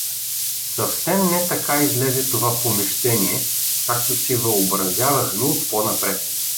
Съвсем не така излезе това помещение, както си въобразявахме от по-напред.